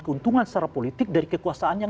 keuntungan secara politik dari kekuasaan yang